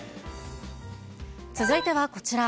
続いてはこちら。